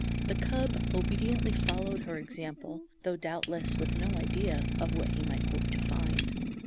The cub obediently followed her example, though doubtless with no idea of what he might hope to find.